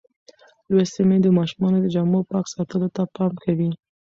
لوستې میندې د ماشومانو د جامو پاک ساتلو ته پام کوي.